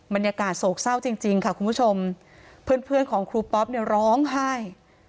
บรรยากาศโศกเศร้าจริงค่ะคุณผู้ชมเพื่อนของครูป๊อปร้องไห้